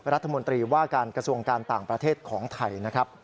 รัฐมนตรีว่าการกระทรวงการต่างประเทศของไทยนะครับ